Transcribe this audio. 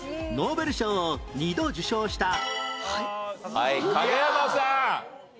はい影山さん。